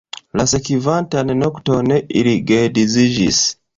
La sekvantan nokton ili geedziĝis.